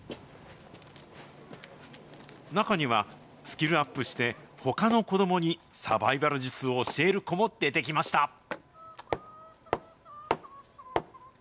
中には、スキルアップして、ほかの子どもにサバイバル術を教える子も出てきました。